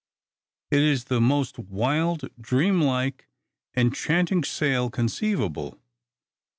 It is the most wild, dream like, enchanting sail conceivable.